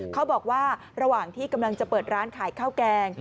เขาบอกว่าระหว่างที่กำลังจะเปิดร้านขายข้าวแกง